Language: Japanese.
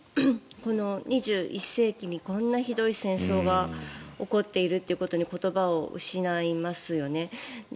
この２１世紀にこんなひどい戦争が起こっているということに言葉を失いますよね。